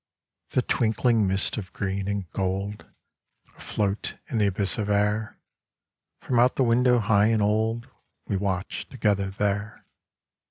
18 THE twinkling mists of green and gold Afloat in the abyss of air, From out the window high and old We watched together there.